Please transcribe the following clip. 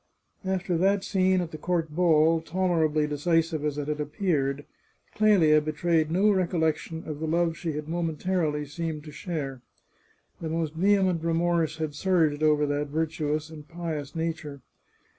After that scene at the court ball, tolerably decisive as it had appeared, Clelia betrayed no recollection of the love she had momentarily seemed to share. The most vehement re morse had surged over that virtuous and pious nature.